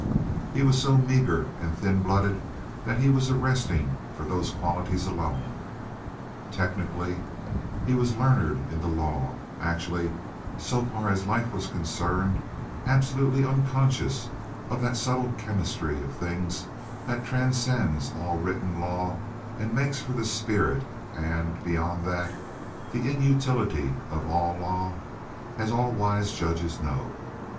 He was so meager and thin blooded that he was arresting for those qualities alone. Technically, he was learned in the law; actually, so far as life was concerned, absolutely unconscious of that subtle chemistry of things that transcends all written law and makes for the spirit and, beyond that, the inutility of all law, as all wise judges know.